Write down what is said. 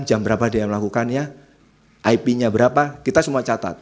jam berapa dia melakukannya ip nya berapa kita semua catat